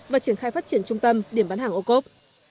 và phát triển trung tâm điểm bán hàng ô cốt